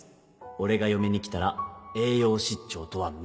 俺が嫁に来たら栄養失調とは無縁です